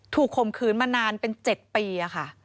ข่มขืนมานานเป็น๗ปีค่ะ